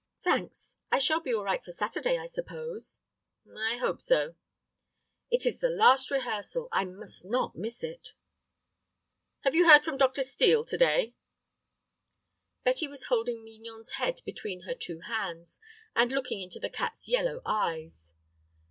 "Thanks. I shall be all right for Saturday, I suppose?" "I hope so." "It is the last rehearsal. I must not miss it." "Have you heard from Dr. Steel to day?" Betty was holding Mignon's head between her two hands, and looking into the cat's yellow eyes.